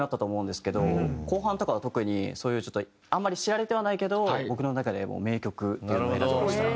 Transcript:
後半とかは特にそういうちょっとあんまり知られてはないけど僕の中で名曲っていうのを選びました。